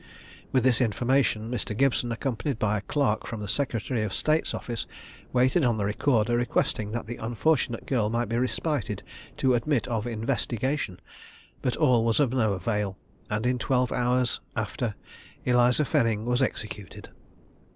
With this information Mr. Gibson, accompanied by a clerk from the secretary of state's office, waited on the recorder, requesting that the unfortunate girl might be respited to admit of investigation; but all was of no avail, and in twelve hours after, Eliza Fenning was executed!